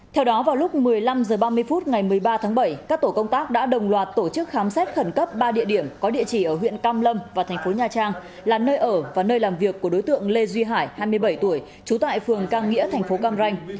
theo đó vào lúc một mươi năm h ba mươi phút ngày một mươi ba tháng bảy các tổ công tác đã đồng loạt tổ chức khám xét khẩn cấp ba địa điểm có địa chỉ ở huyện cam lâm và thành phố nha trang là nơi ở và nơi làm việc của đối tượng lê duy hải hai mươi bảy tuổi trú tại phường cam nghĩa tp cam ranh